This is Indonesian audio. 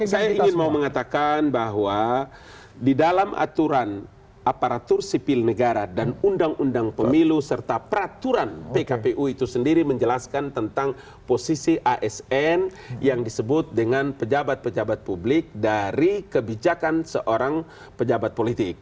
saya ingin mengatakan bahwa di dalam aturan aparatur sipil negara dan undang undang pemilu serta peraturan pkpu itu sendiri menjelaskan tentang posisi asn yang disebut dengan pejabat pejabat publik dari kebijakan seorang pejabat politik